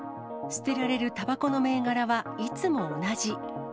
捨てられるたばこの銘柄はいつも同じ。